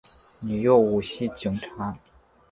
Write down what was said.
你又唔系警察！